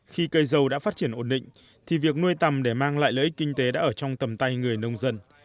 khi cây dâu đã phát triển ổn định thì việc nuôi tầm để mang lại lợi ích kinh tế đã ở trong tầm tay người nông dân